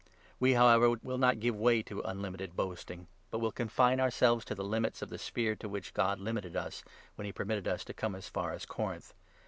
We, however, will not give way to 13 unlimited boasting, but will confine ourselves to the limits of the sphere to which God limited us, when he permitted us to come as far as Corinth.